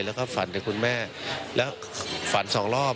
แล้วก็ฝันถึงคุณแม่แล้วฝันสองรอบ